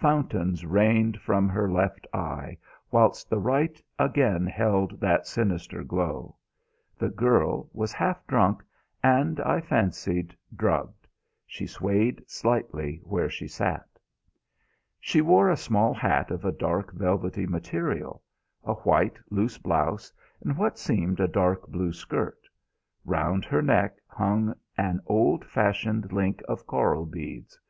Fountains rained from her left eye, whilst the right again held that sinister glow. The girl was half drunk, and, I fancied, drugged. She swayed slightly where she sat. She wore a small hat of a dark velvety material; a white, loose blouse, and what seemed a dark blue skirt. Round her neck hung an old fashioned link of coral beads.